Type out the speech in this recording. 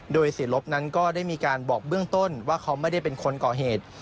โดยเสียลบนั้นก็ได้มีการบอกเบื้องต้นว่าเขาไม่ได้เป็นคนก่อเหตุ